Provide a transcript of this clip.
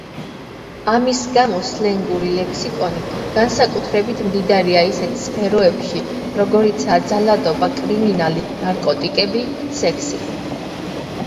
ამის გამო სლენგური ლექსიკონი განსაკუთრებით მდიდარია ისეთ სფეროებში, როგორიცაა ძალადობა, კრიმინალი, ნარკოტიკები, სექსი.